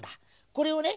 これをね